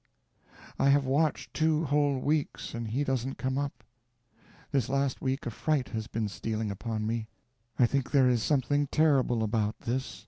I have watched two whole weeks, and he doesn't come up! This last week a fright has been stealing upon me. I think there is something terrible about this.